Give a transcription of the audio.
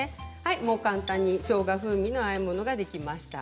もう簡単にしょうが風味のあえ物ができました。